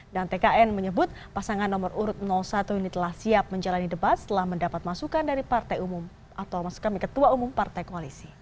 dan tkn menyebut pasangan nomor urut satu ini telah siap menjalani debat setelah mendapat masukan dari partai umum atau masukkan oleh ketua umum partai koalisi